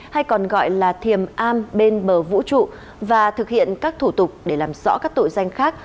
hay còn gọi là thiềm am bên bờ vũ trụ và thực hiện các thủ tục để làm rõ các tội danh khác